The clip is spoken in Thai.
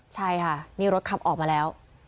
ใช่ค่ะนี่รถขับออกมาแล้ว